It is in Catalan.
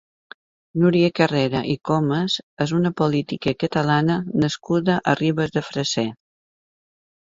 Núria Carrera i Comes és una política cataana nascuda a Ribes de Freser.